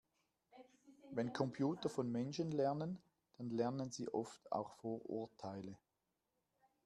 Wenn Computer von Menschen lernen, dann lernen sie oft auch Vorurteile.